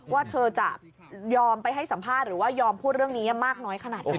ว่าเธอจะยอมไปให้สัมภาษณ์หรือว่ายอมพูดเรื่องนี้มากน้อยขนาดไหน